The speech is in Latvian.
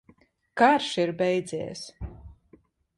Karš ir beidzies!